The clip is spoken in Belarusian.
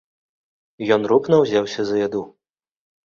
Ён рупна ўзяўся за яду.